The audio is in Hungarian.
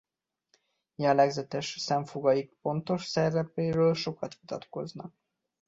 Jellegzetes szemfogaik pontos szerepéről sokat vitatkoznak.